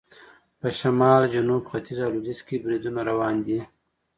په شمال، جنوب، ختیځ او لویدیځ کې بریدونه روان دي.